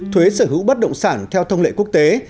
thuế sở hữu bất động sản theo thông lệ quốc tế